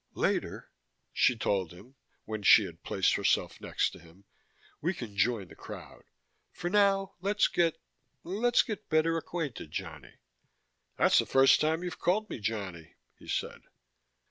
"Later," she told him, when she had placed herself next to him, "we can join the crowd. For now, let's get let's get better acquainted. Johnny." "That's the first time you've called me Johnny," he said.